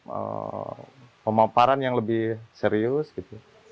ada pemaparan yang lebih serius gitu